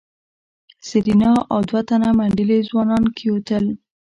سېرېنا او دوه تنه منډلي ځوانان کېوتل.